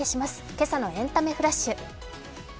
今朝のエンタメフラッシュ。